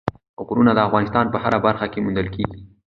غرونه د افغانستان په هره برخه کې موندل کېږي.